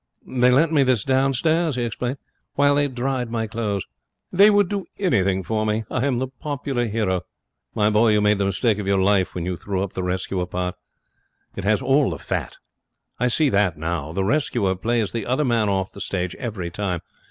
'They lent me this downstairs,' he explained, 'while they dried my clothes. They would do anything for me. I'm the popular hero. My boy, you made the mistake of your life when you threw up the rescuer part. It has all the fat. I see that now. The rescuer plays the other man off the stage every time.